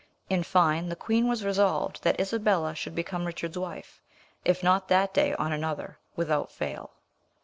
In fine, the queen was resolved that Isabella should become Richard's wife, if not that day, on another, without fail.